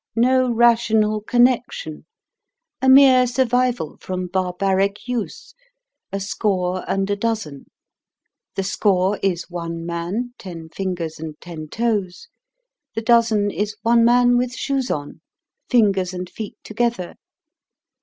No rational connection. A mere survival from barbaric use. A score, and a dozen. The score is one man, ten fingers and ten toes; the dozen is one man with shoes on fingers and feet together.